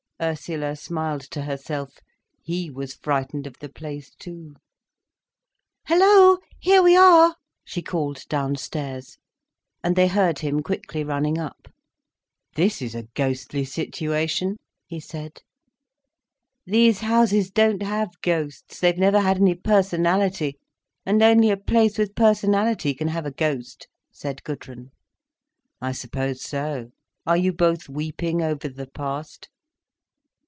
Ursula smiled to herself. He was frightened of the place too. "Hello! Here we are," she called downstairs. And they heard him quickly running up. "This is a ghostly situation," he said. "These houses don't have ghosts—they've never had any personality, and only a place with personality can have a ghost," said Gudrun. "I suppose so. Are you both weeping over the past?"